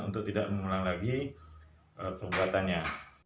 untuk tidak mengulang lagi perbuatannya